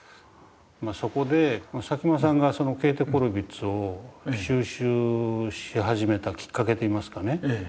そこで佐喜眞さんがそのケーテ・コルヴィッツを収集し始めたきっかけといいますかね